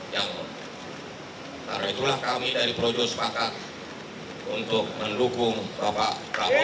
dan karena itulah kami dari projo sepakat untuk mendukung bapak pak kowo